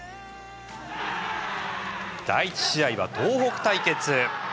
第１試合は東北対決。